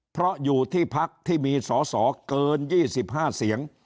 เพราะอยู่ที่พักที่มีสอสอเกิน๒๕เสียง